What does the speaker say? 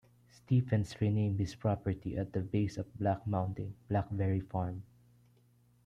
Stephens renamed his property at the base of Black Mountain "Blackberry Farm".